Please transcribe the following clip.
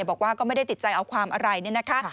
บอกว่าก็ไม่ได้ติดใจเอาความอะไรเนี่ยนะคะ